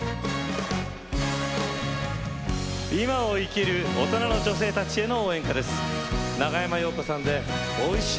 今を生きる大人の女性たちへの応援歌です。